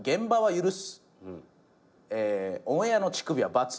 オンエアの乳首はバツ。